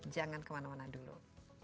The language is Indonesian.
jangan kemana mana dulu